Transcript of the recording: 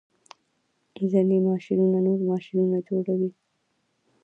ځینې ماشینونه نور ماشینونه جوړوي.